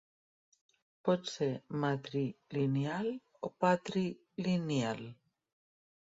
Pot ser matrilineal o patrilineal.